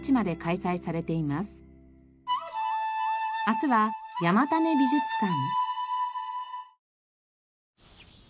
明日は山種美術館。